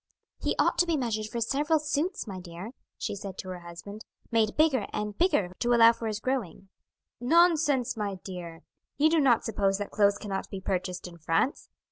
"He ought to be measured for several suits, my dear," she said to her husband, "made bigger and bigger to allow for his growing." "Nonsense, my dear! You do not suppose that clothes cannot be purchased in France!